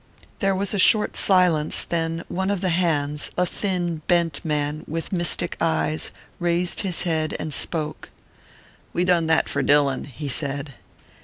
There was a short silence; then one of the hands, a thin bent man with mystic eyes, raised his head and spoke. "We done that for Dillon," he said.